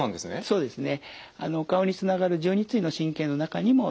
そうですね。